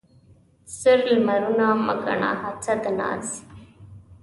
زر لمرونه مه ګڼه حصه د ناز